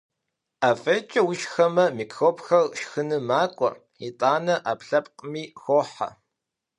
Ӏэ фӀейкӀэ ушхэмэ, микробхэр шхыным макӀуэ, итӀанэ Ӏэпкълъэпкъми хохьэ.